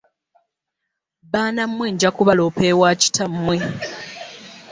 Baana mmwe nja kubaloopa ewa kitammwe.